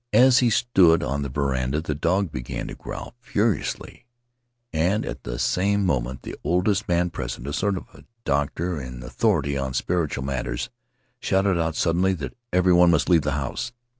As he stood on the veranda the dog began to growl furiously, and at the same moment the oldest man present — a sort of doctor and authority on spiritual matters — shouted out suddenly that everyone must leave the house.